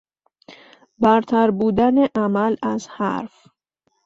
برتر بودن عمل از حرف